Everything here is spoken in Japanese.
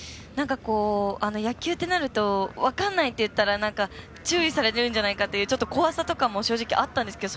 野球となると分からないって言ったら注意されるんじゃないかっていう怖さとかも正直あったんですけど